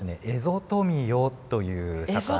エゾトミヨという魚。